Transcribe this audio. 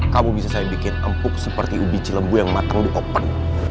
kamu bisa saya bikin empuk seperti ubi cilembu yang matang di open